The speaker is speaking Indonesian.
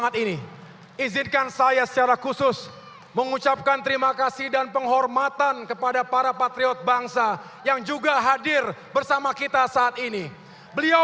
kita harus berani dan bersatu untuk menghadapinya bersama sama